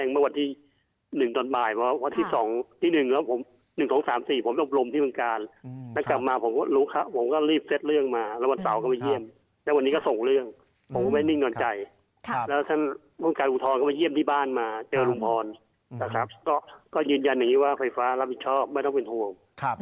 ก็ยืนยันอย่างนี้ว่าไฟฟ้ารับผิดชอบไม่ต้องเป็นห่วง